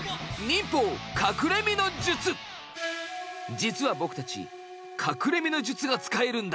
実は僕たち隠れ身の術が使えるんだ。